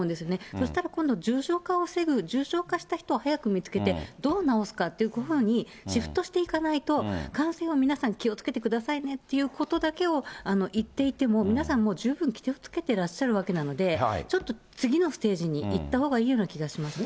そうしたら、今度は重症化を防ぐ、重症化した人を早く見つけて、どう直すかっていうほうに、シフトしていかないと、感染は皆さん、気をつけてくださいねっていうことだけを言っていても、皆さんもう、十分気をつけてらっしゃるわけなので、ちょっと次のステージにいったほうがいいような気がします。